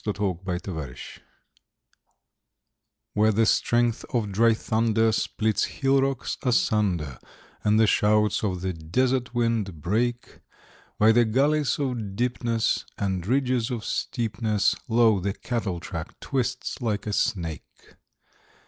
On a Cattle Track Where the strength of dry thunder splits hill rocks asunder, And the shouts of the desert wind break, By the gullies of deepness and ridges of steepness, Lo, the cattle track twists like a snake!